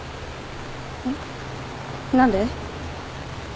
えっ何で？